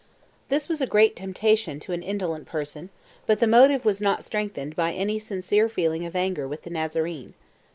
This was a great temptation to an indolent person, but the motive was not strengthened by any sincere feeling of anger with the Nazarene.